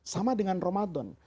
sama dengan ramadan